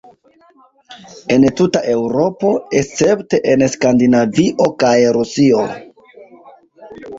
En tuta Eŭropo, escepte en Skandinavio kaj Rusio.